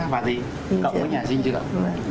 cộng với nhà sinh trường